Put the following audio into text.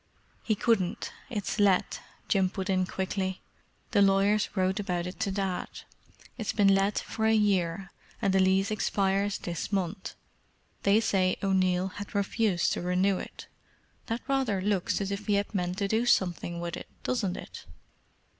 "He couldn't—it's let," Jim put in quickly. "The lawyers wrote about it to Dad. It's been let for a year, and the lease expires this month—they said O'Neill had refused to renew it. That rather looks as if he had meant to do something with it, doesn't it?"